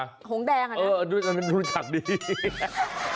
หงษ์แดงอ่ะนะดูจังดีฮ่าฮ่าฮ่าฮ่าฮ่า